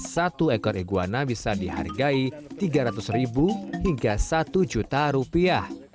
satu ekor iguana bisa dihargai tiga ratus ribu hingga satu juta rupiah